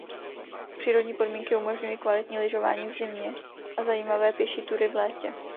Přírodní podmínky umožňují kvalitní lyžování v zimě a zajímavé pěší túry v létě.